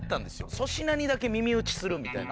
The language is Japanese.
粗品にだけ耳打ちするみたいな。